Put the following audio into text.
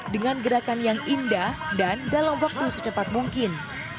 dengan gerakan yang indah dan dalam waktu secepat mungkin